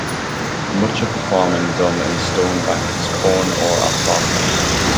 Much of the farming done in Stone Bank is corn, or alfalfa.